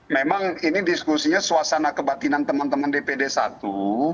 memang ini diskusinya suasana kebatinan teman teman dpd satu